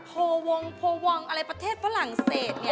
โพวงโพวองอะไรประเทศฝรั่งเศสไง